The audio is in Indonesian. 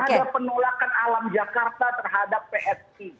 ada penolakan alam jakarta terhadap psi